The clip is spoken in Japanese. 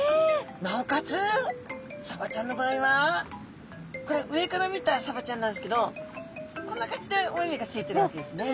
なおかつサバちゃんの場合はこれは上から見たサバちゃんなんですけどこんな感じでお目々がついているわけですね。